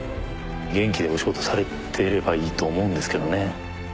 元気でお仕事されていればいいと思うんですけどね。